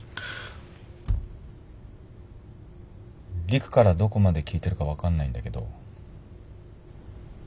陸からどこまで聞いてるか分かんないんだけど。